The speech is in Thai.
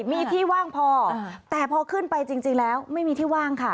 มีที่ว่างพอแต่พอขึ้นไปจริงแล้วไม่มีที่ว่างค่ะ